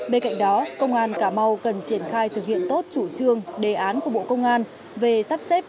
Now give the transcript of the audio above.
bên cạnh đó công an cà mau cần triển khai thực hiện tốt chủ trương đề án của bộ công an về sắp xếp